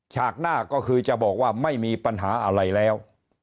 หน้าก็คือจะบอกว่าไม่มีปัญหาอะไรแล้ว